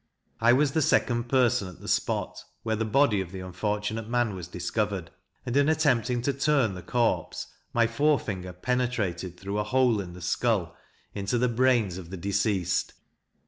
I was the second person at the spot, where the body of the unfortunate man was discovered; and, in attempting to turn the corpse, my fore finger penetrated through a hole in the skull, into the brains of the deceased.